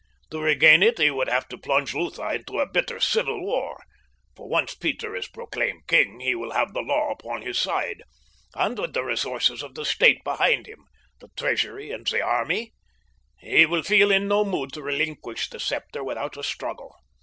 To regain it he would have to plunge Lutha into a bitter civil war, for once Peter is proclaimed king he will have the law upon his side, and with the resources of the State behind him—the treasury and the army—he will feel in no mood to relinquish the scepter without a struggle.